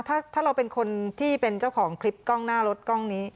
ถ้าเราเป็นคนที่เป็นเจ้าของคลิปกล้องหน้ารถกล้องนี้